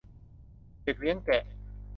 เด็กเลี้ยงแกะ